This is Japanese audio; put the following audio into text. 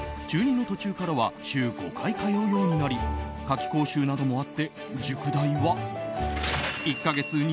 中２の途中からは週５回通うようになり夏期講習などもあって塾代は１か月